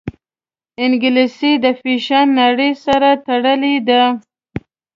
انګلیسي د فیشن نړۍ سره تړلې ده